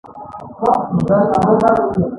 • لمر د کائنات یوه بې اندازې انرژي تولیدوي.